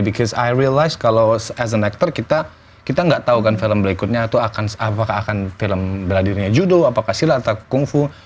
because i realize kalau as an actor kita enggak tahu kan film berikutnya itu apakah akan film beradirnya judo apakah silat ataupun kungfu